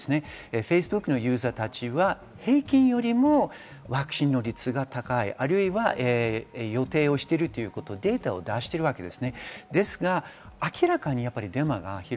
Ｆａｃｅｂｏｏｋのユーザーたちは平均よりもワクチン率が高い、あるいは予定しているというデータを出しています。